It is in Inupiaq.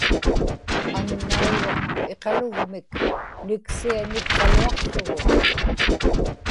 annairuq iqalugmik niksianikkaluaqługu